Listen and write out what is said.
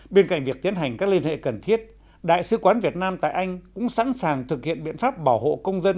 bên cạnh việc tiến hành các liên hệ cần thiết đại sứ quán việt nam tại anh cũng sẵn sàng thực hiện biện pháp bảo hộ công dân